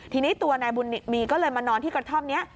ทีนี้ตัวนายบุญมีก็เลยมานอนที่กระท่อมนี้